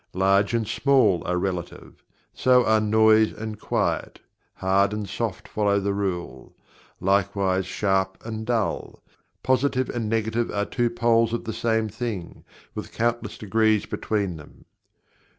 Large and Small are relative. So are Noise and Quiet; Hard and Soft follow the rule. Likewise Sharp and Dull. Positive and Negative are two poles of the same thing, with countless degrees between them.